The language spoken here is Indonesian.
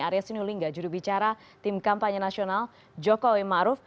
arya sunulingga jurubicara tim kampanye nasional jokowi maruf